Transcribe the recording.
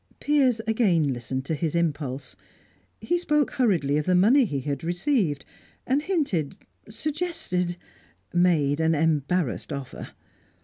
Piers again listened to his impulse. He spoke hurriedly of the money he had received, and hinted, suggested, made an embarrassed offer.